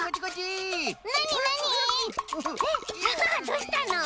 どうしたの？